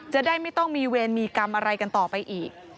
จะได้ไม่ต้องมีเวรมีกรรมอะไรกันต่อไปอีก